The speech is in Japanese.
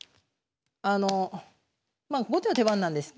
まあ後手の手番なんです。